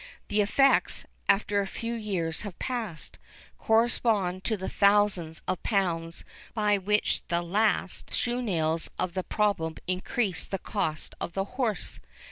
The effects, after a few years have passed, correspond to the thousands of pounds by which the last shoe nails of that problem increase the cost of the horse.